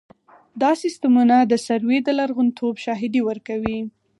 دا سیستمونه د سروې د لرغونتوب شاهدي ورکوي